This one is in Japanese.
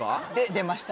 出ました